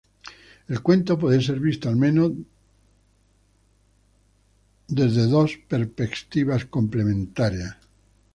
El cuento puede ser visto al menos dos perspectivas complementarias.